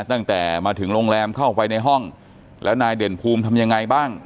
ตั้งแต่มาถึงโรงแรมเข้าไปในห้องแล้วนายเด่นภูมิทำยังไงบ้าง